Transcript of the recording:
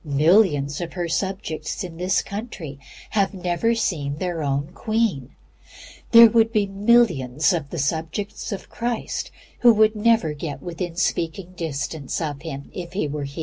Millions of her subjects in the little country of England have never seen their own Queen. And there would be millions of the subjects of Christ who could never get within speaking distance of Him if He were here.